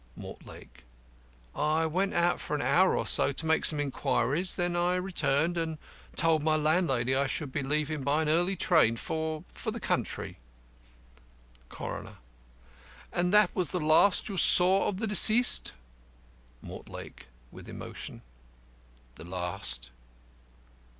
MORTLAKE: I went out for an hour or so to make some inquiries. Then I returned, and told my landlady I should be leaving by an early train for for the country. CORONER: And that was the last you saw of the deceased? MORTLAKE (with emotion): The last.